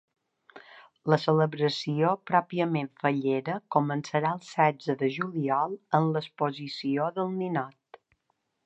La celebració pròpiament fallera començarà el setze de juliol amb l’exposició del ninot.